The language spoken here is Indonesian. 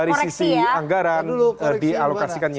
dari sisi anggaran dialokasikannya